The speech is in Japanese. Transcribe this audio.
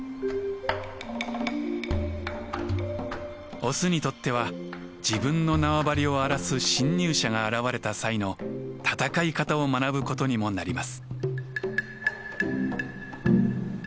オスにとっては自分の縄張りを荒らす侵入者が現れた際の戦い方を学ぶことにもなります。